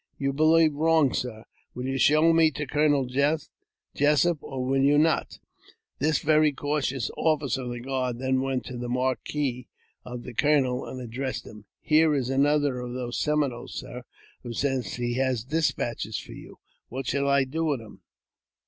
" You believe wrong, sir. Will you show me to Colonel Jessup, or will you not ?" i i JAMES P. BECKWOUBTH. 339 This very cautious officer of the guard then went to the marquee of the colonel, and addressed him :" Here is another of those Seminoles, sir, who says he has despatches for you. What shall I do with him